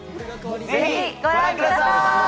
ぜひご覧ください。